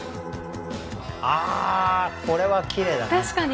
あこれはきれいだね